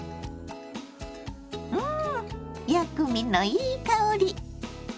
ん薬味のいい香り！